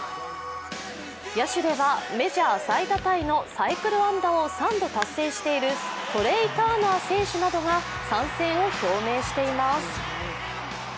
野手ではメジャー最多タイのサイクル安打を３度達成しているトレイ・ターナー選手などが参戦を表明しています。